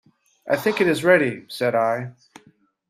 "I think it is ready," said I.